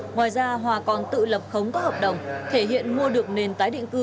ngoài ra hòa còn tự lập khống các hợp đồng thể hiện mua được nền tái định cư